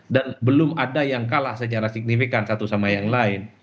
belum ada yang kalah secara signifikan satu sama yang lain